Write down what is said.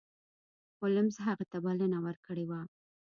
هولمز هغه ته بلنه ورکړې وه.